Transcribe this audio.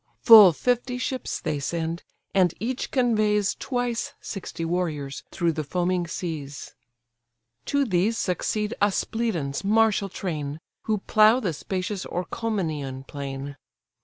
Full fifty ships they send, and each conveys Twice sixty warriors through the foaming seas. To these succeed Aspledon's martial train, Who plough the spacious Orchomenian plain.